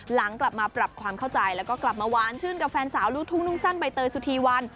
หลังกลับมาปรับความเข้าใจแล้วก็กลับมาหวานชื่นกับแฟนสาวลูกทุ่งนุ่งสั้นใบเตยสุธีวัน